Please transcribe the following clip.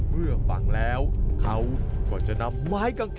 เมื่อฟังแล้วเขาก็จะนำไม้กาง